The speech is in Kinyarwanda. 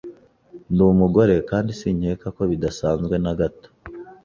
Ndi umugore kandi sinkeka ko bidasanzwe na gato.